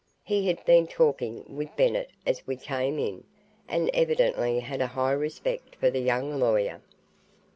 He had been talking with Bennett as we came in and evidently had a high respect for the young lawyer.